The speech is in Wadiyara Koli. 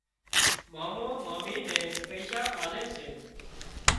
مامو مامي نين پئيشا آلي سي